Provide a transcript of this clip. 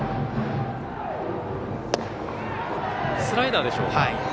スライダーでしょうか。